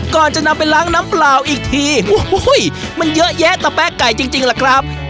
ก่อนจะนำไปล้างน้ำเปล่าอีกทีมันเยอะแยะตะแป๊กไก่จริงจริงแหละครับ